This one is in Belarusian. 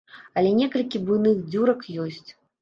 Але некалькі буйных дзюрак ёсць.